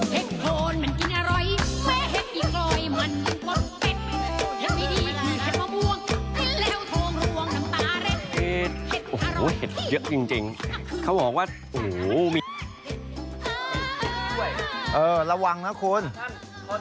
แฮทโคนมันกินอร่อยแฮทยิงรอยมันอุ๊บป๊ะแฮทไม่ดีคือแฮทขวงว่างแล้วท้องลวงน้ำตาแร็ด